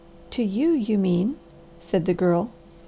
"To you, you mean," said the Girl.